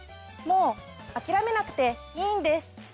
もう諦めなくていいんです。